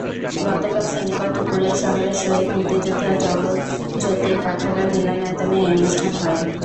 গতকাল শনিবার দুপুরে শহরের শহীদ মুক্তিযোদ্ধা জগৎজ্যোতি পাঠাগার মিলনায়তনে এই অনুষ্ঠান হয়।